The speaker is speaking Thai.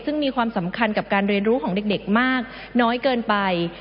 ซึ่งมีความสำคัญกับการเรียนรู้ของเด็กมากน้อยเกินไป